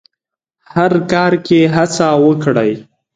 هر کار کې هڅه وکړئ.